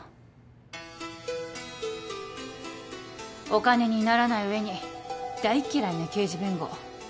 お金にならない上に大嫌いな刑事弁護。